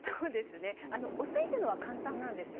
抑えるのは簡単なんですよ。